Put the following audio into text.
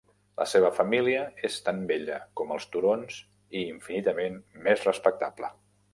La seva família és tan vella com els turons i infinitament més respectable.